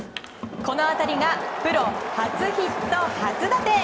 この当たりがプロ初ヒット初打点。